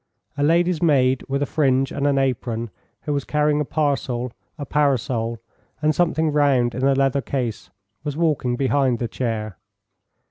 A lady's maid with a fringe and an apron, who was carrying a parcel, a parasol, and something round in a leather case, was walking behind the chair.